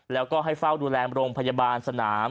แล้วก็ให้เฝ้าดูแลโรงพยาบาลสนาม